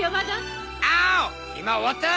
今終わった。